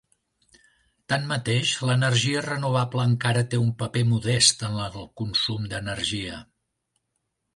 Tanmateix, l'energia renovable encara té un paper modest en el consum d'energia.